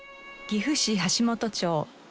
岐阜市橋本町